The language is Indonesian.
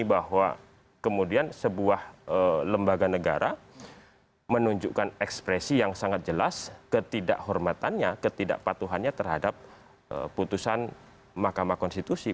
bahwa kemudian sebuah lembaga negara menunjukkan ekspresi yang sangat jelas ketidakhormatannya ketidakpatuhannya terhadap putusan mahkamah konstitusi